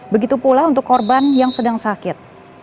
begitu pula untuk korban yang sedang sakit